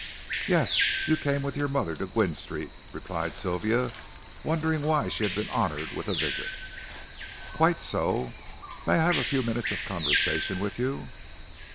"Yes. You came with your mother to Gwynne Street," replied Sylvia, wondering why she had been honored with a visit. "Quite so. May I have a few minutes' conversation with you?"